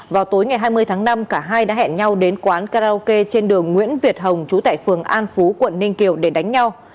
vào tối ngày hai mươi tháng năm cả hai đã hẹn nhau đến quán karaoke trên đường nguyễn việt hồng trú tại phường an phú quận ninh kiều để đánh nhau